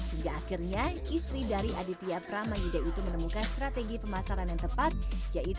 hingga akhirnya istri dari aditya pramayuda itu menemukan strategi pemasaran yang tepat yaitu